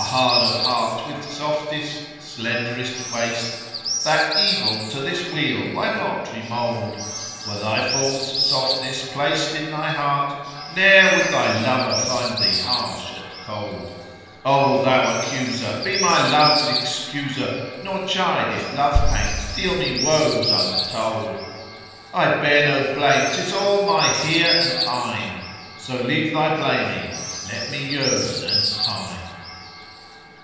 hard of heart with softest slenderest waist, * That evil to this weal why not remould?[FN#14] Were thy form's softness placed in thy heart, * Ne'er would thy lover find thee harsh and cold: Oh thou accuser! be my love's excuser, * Nor chide if love pangs deal me woes untold! I bear no blame: 'tis all my hear and eyne; * So leave thy blaming, let me yearn and pine."